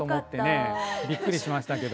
びっくりしましたけど。